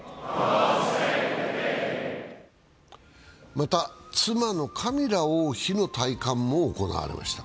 また、妻のカミラ王妃の戴冠も行われました。